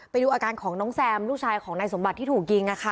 ไปดูอาการของน้องแซมลูกชายของนายสมบัติที่ถูกยิง